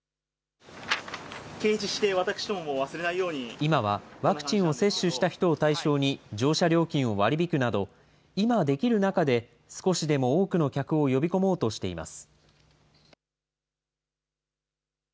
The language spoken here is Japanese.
今はワクチンを接種した人を対象に、乗車料金を割り引くなど、今できる中で少しでも多くの客を呼び込もうとしています。